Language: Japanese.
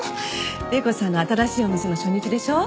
礼子さんの新しいお店の初日でしょ。